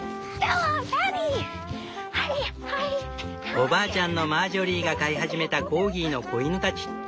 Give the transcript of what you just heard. おばあちゃんのマージョリーが飼い始めたコーギーの子犬たち。